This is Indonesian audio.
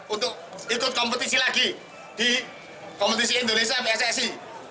untuk ikut kompetisi lagi di kompetisi indonesia pssi